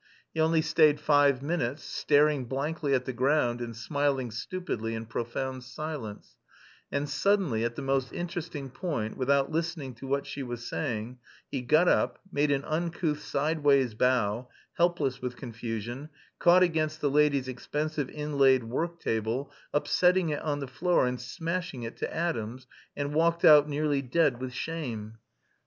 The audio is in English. He only stayed five minutes, staring blankly at the ground and smiling stupidly in profound silence, and suddenly, at the most interesting point, without listening to what she was saying, he got up, made an uncouth sideways bow, helpless with confusion, caught against the lady's expensive inlaid work table, upsetting it on the floor and smashing it to atoms, and walked out nearly dead with shame.